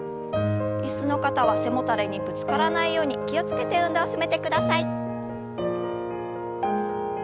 椅子の方は背もたれにぶつからないように気を付けて運動を進めてください。